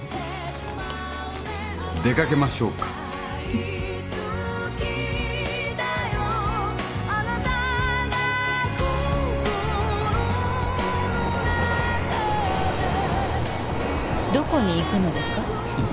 出かけましょうかどこに行くのですか？